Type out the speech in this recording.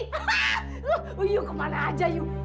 hah lu yuk ke mana aja yuk